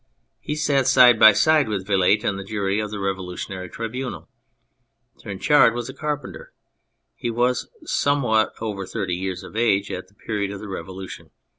He sat side by side with Vilate in the jury of the Revolutionary Tribunal. Trinchard was a carpenter. He was somewhat over thirty years of age at the period of the Revolution.